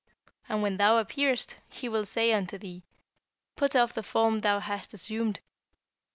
And when thou appearest, he will say unto thee, "Put off the form thou hast assumed."